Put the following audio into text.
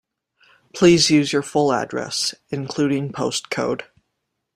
Please use your full address, including postcode